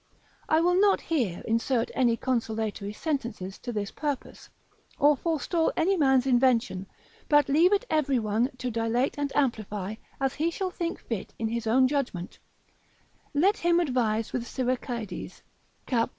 I will not here insert any consolatory sentences to this purpose, or forestall any man's invention, but leave it every one to dilate and amplify as he shall think fit in his own judgment: let him advise with Siracides cap.